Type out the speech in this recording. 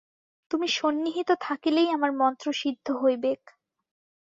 তুমি সন্নিহিত থাকিলেই আমার মন্ত্র সিদ্ধ হইবেক।